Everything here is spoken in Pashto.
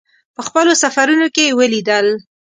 په خپلو سفرونو کې یې ولیدل.